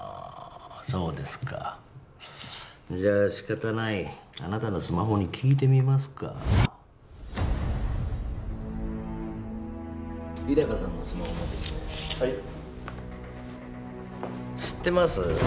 そうですかじゃあ仕方ないあなたのスマホに聞いてみますか日高さんのスマホ持ってきてはい知ってます？